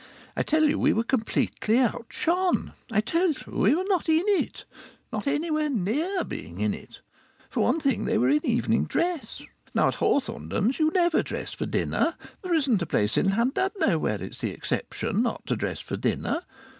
I tell you, we were completely outshone. I tell you, we were not in it, not anywhere near being in it! For one thing, they were in evening dress. Now at Hawthornden's you never dress for dinner. There isn't a place in Llandudno where it's the exception not to dress for dinner.